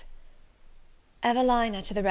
EVELINA TO THE REV.